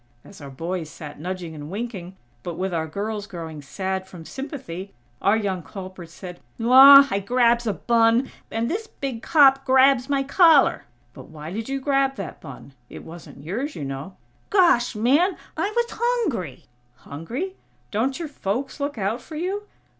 As our boys sat nudging and winking, but with our girls growing sad from sympathy, our young culprit said: "Aw! I grabs a bun, and dis big cop grabs my collar!" "But why did you grab that bun? It wasn't yours, you know." "Gosh, man!! I was hungry!!" "Hungry? Don't your folks look out for you?"